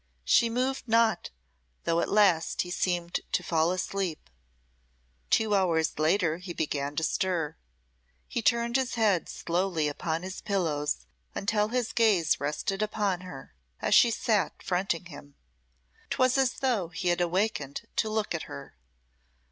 She moved not, though at last he seemed to fall asleep. Two hours later he began to stir. He turned his head slowly upon his pillows until his gaze rested upon her, as she sat fronting him. 'Twas as though he had awakened to look at her.